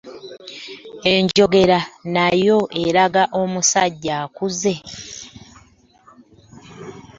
Enjogera nayo eraga omusajja akuze.